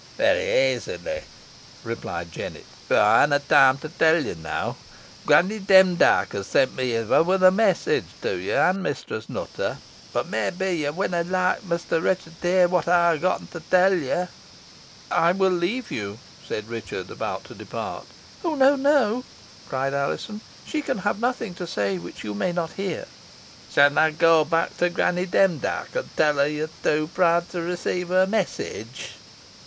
"Varry easily," replied Jennet, "boh ey hanna time to tell ye now. Granny Demdike has sent me hither wi' a message to ye and Mistress Nutter. Boh may be ye winna loike Mester Ruchot to hear what ey ha' getten to tell ye." "I will leave you," said Richard, about to depart. "Oh! no, no!" cried Alizon, "she can have nothing to say which you may not hear." "Shan ey go back to Granny Demdike, an tell her yo're too proud to receive her message?"